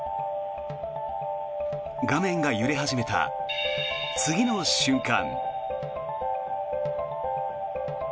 画面が揺れ始めた次の瞬間。